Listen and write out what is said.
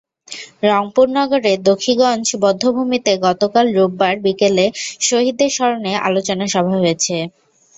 রংপুর নগরের দখিগঞ্জ বধ্যভূমিতে গতকাল রোববার বিকেলে শহীদদের স্মরণে আলোচনা সভা হয়েছে।